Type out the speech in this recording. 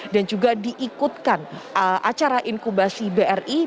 dan juga diikutkan acara inkubasi bri